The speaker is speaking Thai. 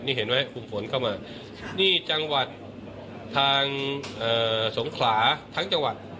นี่เห็นไหมกลุ่มฝนเข้ามานี่จังหวัดทางสงขลาทั้งจังหวัด